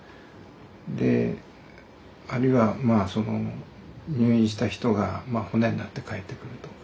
であるいは入院した人が骨になって帰ってくるとか。